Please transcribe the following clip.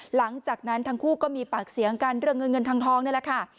หลังจากนั้นทั้งคู่ก็มีปากเสียงกันเรื่องเงินเงินทองนี่แหละค่ะ